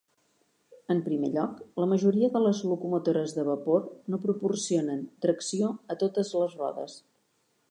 En primer lloc, la majoria de les locomotores de vapor no proporcionen tracció a totes les rodes.